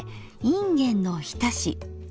いんげんのおひたし。